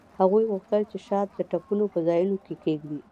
هغوی غوښتل چې شات د ټپونو په ځایونو کیږدي